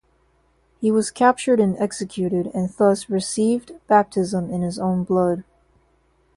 He was captured and executed, and thus received baptism in his own blood.